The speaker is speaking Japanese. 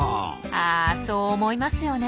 あそう思いますよね。